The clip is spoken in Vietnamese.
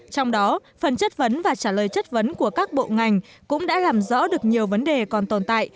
trong đó phần chất vấn và trả lời chất vấn của các bộ ngành cũng đã làm rõ được nhiều vấn đề còn tồn tại